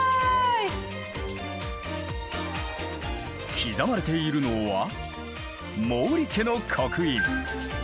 刻まれているのは毛利家の刻印。